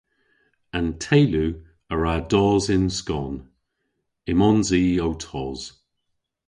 An teylu a wra dos yn skon. Ymons i ow tos.